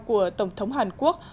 của tổng thống hàn quốc